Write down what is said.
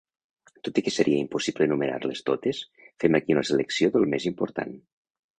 Tot i que seria impossible enumerar-les totes, fem aquí una selecció del més important.